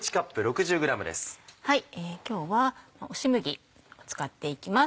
今日は押し麦を使っていきます。